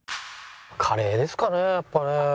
カレーですかねやっぱね。